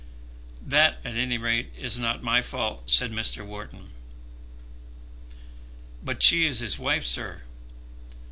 "That at any rate is not my fault," said Mr. Wharton. "But she is his wife, sir.